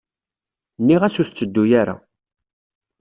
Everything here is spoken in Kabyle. Nniɣ-as ur tetteddu ara.